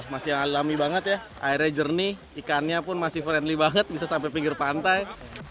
masih alami banget ya airnya jernih ikannya pun masih friendly banget bisa sampai pinggir pantai